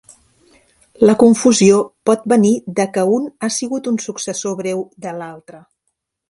La confusió pot venir de que un ha sigut un successor breu de l"altre.